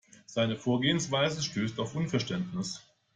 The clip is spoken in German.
Seine Vorgehensweise stößt auf Unverständnis.